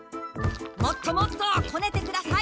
もっともっとこねてください。